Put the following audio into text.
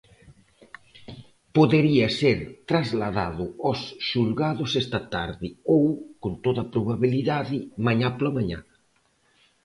Podería ser trasladado aos xulgados esta tarde ou, con toda probabilidade, mañá pola mañá.